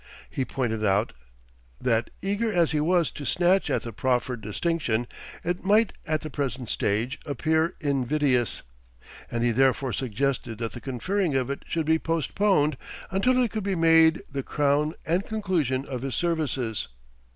He pointed out that eager as he was to snatch at the proffered distinction, it might at the present stage appear invidious, and he therefore suggested that the conferring of it should be postponed until it could be made the crown and conclusion of his services.